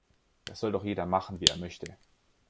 Das soll doch jeder machen, wie er möchte.